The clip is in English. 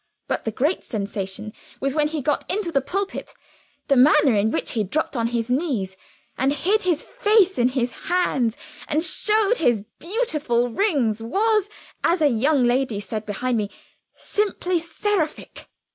But the great sensation was when he got into the pulpit. The manner in which he dropped on his knees, and hid his face in his hands, and showed his beautiful rings was, as a young lady said behind me, simply seraphic.